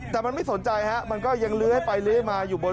แต่มันไม่สนใจครับมันก็ยังเหลือไปเหลือมา